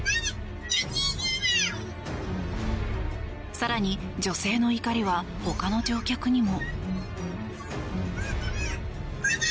更に女性の怒りはほかの乗客にも。